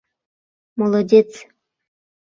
Молодец!..